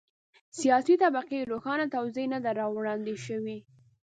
سیاسي طبقې روښانه توضیح نه ده وړاندې شوې.